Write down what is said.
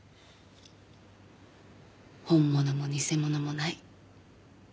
本物も偽物もない。